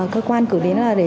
cơ quan cử đến đó là để